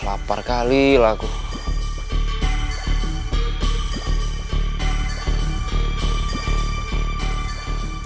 lapar kali lah gue